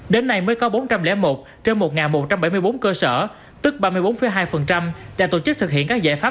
đến nay mới có bốn trăm linh một trên một một trăm bảy mươi bốn cơ sở tức ba mươi bốn hai đã tổ chức thực hiện các giải pháp